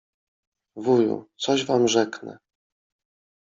Wuju, coś wam rzeknę.